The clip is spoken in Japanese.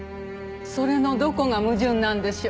それのどこが矛盾なんでしょう？